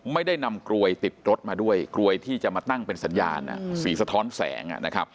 ไม่ได้นำกลวยติดรถมาด้วยกลวยที่จะมาตั้งเป็นสัญญาณสีสะท้อนแสง